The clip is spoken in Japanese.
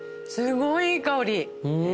すごいいい香り。